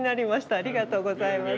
ありがとうございます。